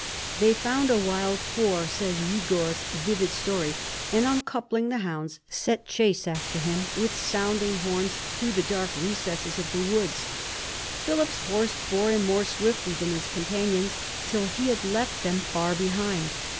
They found a wild boar, says Rigord's vivid story, and, uncoupling the hounds, set chase after him with sounding horns through the dark recesses of the woods. Philip's horse bore him more swiftly than his companions, till he had left them far behind.